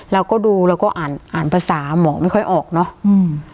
เราก็ดูเราก็อ่านอ่านภาษาหมอไม่ค่อยออกเนอะอืม